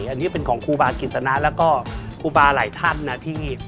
อันนี้เป็นของครูบากิจสนะแล้วก็ครูบาหลายท่านนะที่